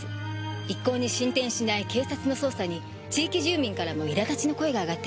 いっこうに進展しない警察の捜査に地域住民からも苛立ちの声が上がっています。